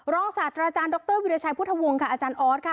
รองศาสตร์อาจารย์ดรวิรัชัยพุทธวงศ์อาจารย์ออส